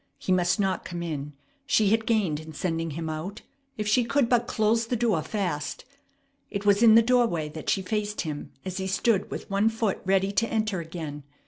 He must not come in. She had gained in sending him out, if she could but close the door fast. It was in the doorway that she faced him as he stood with one foot ready to enter again.